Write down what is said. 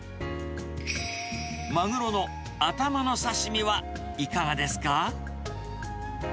マグロの頭の刺身はいかがですか？